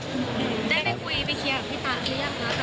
ได้ไปคุยไปเคลียร์กับพี่ตะหรือยังคะ